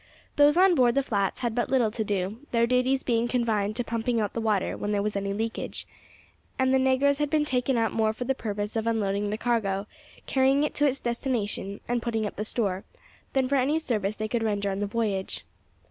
Those on board the flats had but little to do, their duties being confined to pumping out the water when there was any leakage; and the negroes had been taken up more for the purpose of unloading the cargo, carrying it to its destination, and putting up the store, than for any service they could render on the voyage.